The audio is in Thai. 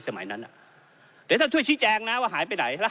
สมัยนั้นเดี๋ยวท่านช่วยชี้แจงนะว่าหายไปไหนล่ะ